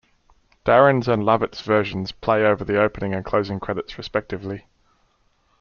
Darin's and Lovett's versions play over the opening and closing credits, respectively.